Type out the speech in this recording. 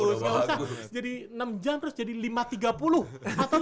gak usah jadi enam jam terus jadi lima jam tiga puluh atau lima